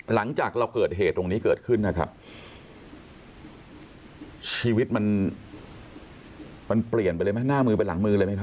หลังจากเราเกิดเหตุตรงนี้เกิดขึ้นนะครับชีวิตมันมันเปลี่ยนไปเลยไหมหน้ามือไปหลังมือเลยไหมครับ